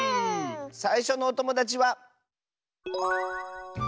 さいしょのおともだちは。